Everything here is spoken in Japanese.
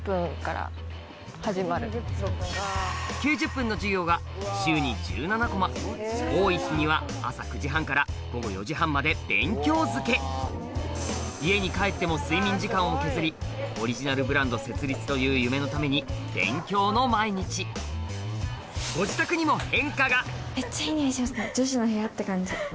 ９０分の授業が週に１７コマ多い日には朝９時半から午後４時半まで勉強漬け家に帰っても睡眠時間を削りオリジナルブランド設立という夢のために勉強の毎日めっちゃいい匂いしますね女子の部屋って感じ。